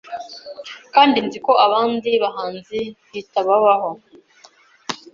Kandi nzi ko abandi bahanzi bitababaho